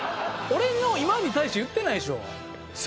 俺の今に対して言ってないでしょ。